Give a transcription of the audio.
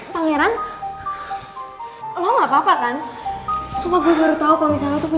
servus urutkan smartphone aku dulu